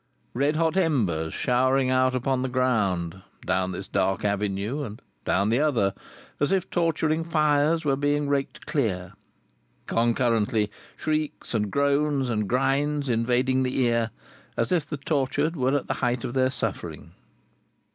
Red hot embers showering out upon the ground, down this dark avenue, and down the other, as if torturing fires were being raked clear; concurrently, shrieks and groans and grinds invading the ear, as if the tortured were at the height of their suffering.